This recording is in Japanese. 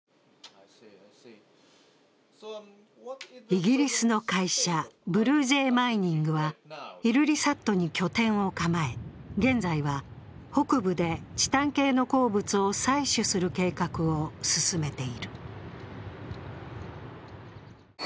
イギリスの会社ブルージェイ・マイニングはイルリサットに拠点を構え、現在は北部でチタン系の鉱物を採取する計画を進めている。